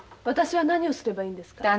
私は何をすればいいんですか？